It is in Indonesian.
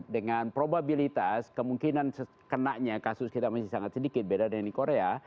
dengan probabilitas kemungkinan kenanya kasus kita masih sangat sedikit beda dengan di korea